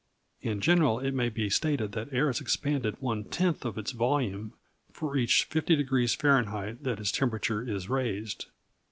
In general, it may be stated that air is expanded one tenth of its volume for each 50° F. that its temperature is raised.